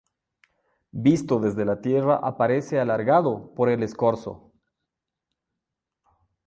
Visto desde la Tierra aparece alargado por el escorzo.